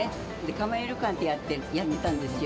釜屋旅館ってやってたんですよ。